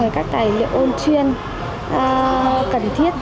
các tài liệu ôn chuyên cần thiết